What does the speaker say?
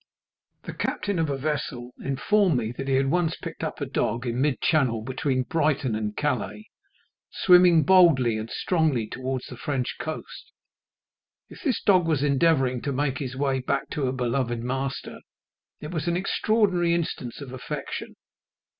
The captain of a vessel informed me that he had once picked up a dog in mid channel between Brighton and Calais, swimming boldly and strongly towards the French coast. If this dog was endeavouring to make his way back to a beloved master, it was an extraordinary instance of affection.